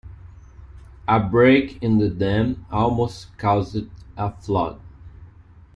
A break in the dam almost caused a flood.